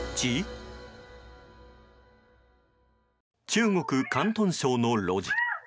中国・広東省の路地。